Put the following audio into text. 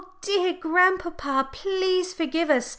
dear grandpapa, please forgive us.